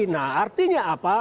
nah artinya apa